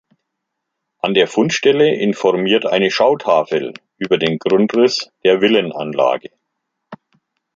An der Fundstelle informiert eine Schautafel über den Grundriss der Villenanlage.